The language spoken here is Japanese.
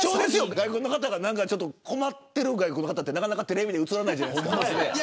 外国の方の困っている顔ってなかなかテレビで映らないじゃないですか。